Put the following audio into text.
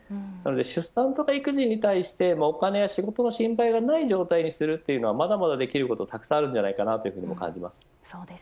出産や育児に対してお金や仕事の心配がない状態にするというのはまだまだできることがたくさんあると感じます。